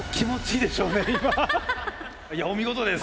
いやお見事です！